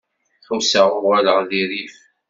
Ḥusseɣ uɣaleɣ di rrif.